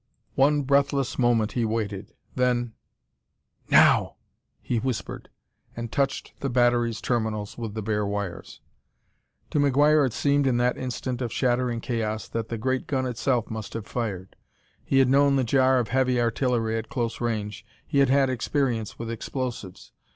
One breathless moment he waited; then "Now!" he whispered, and touched the battery's terminals with the bare wires. To McGuire it seemed, in that instant of shattering chaos, that the great gun itself must have fired. He had known the jar of heavy artillery at close range; he had had experience with explosives.